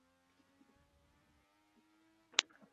Vive en Helsinki.